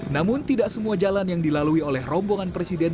namun tidak semua jalan yang dilalui oleh rombongan presiden